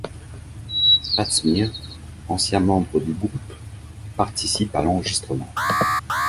Pat Smear, ancien membre du groupe, participe à l'enregistrement.